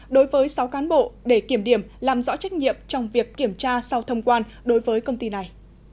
đối với sáu cán bộ để kiểm điểm làm rõ trách nhiệm trong việc kiểm tra sau thông quan đối với công ty này